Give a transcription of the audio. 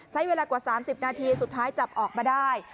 ใช้เวลากว่า๓๐นาทีสุดท้ายจับออกมาได้